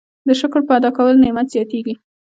د شکر په ادا کولو نعمت زیاتیږي.